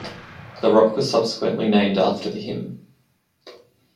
The rock was subsequently named after the hymn.